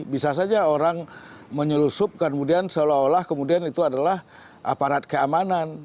bisa saja orang menyelusup kemudian seolah olah kemudian itu adalah aparat keamanan